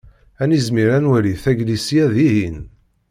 Ad nizmir ad nwali taglisya dihin.